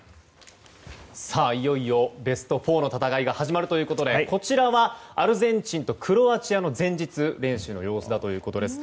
いよいよベスト４の戦いが始まるということでこちらはアルゼンチンとクロアチアの前日練習の様子だということです。